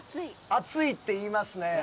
熱いって言いますね。